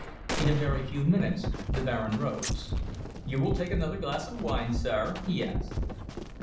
In a very few minutes the Baron rose. "You will take another glass of wine, sir?" he asked.